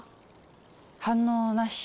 反応なし。